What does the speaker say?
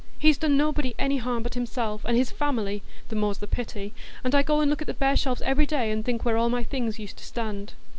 He's done nobody any harm but himself and his family,—the more's the pity,—and I go and look at the bare shelves every day, and think where all my things used to stand."